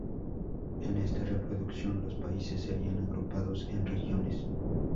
En esta reproducción, los países serían agrupados en regiones.